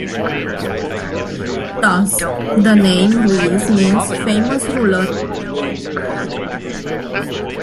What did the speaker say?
Thus, the name Ruiz means "famous ruler".